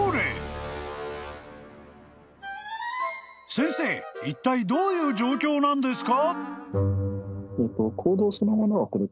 ［先生いったいどういう状況なんですか？］